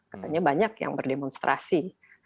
katanya banyak yang berdemonstrasi